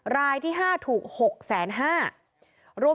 รายที่๕ถูก๖๕๐๐บาท